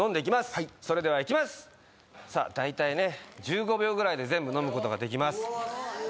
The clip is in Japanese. はいそれではいきますさあ大体ね１５秒ぐらいで全部飲むことができますうわす